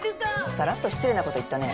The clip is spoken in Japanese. さらっと失礼なこと言ったね。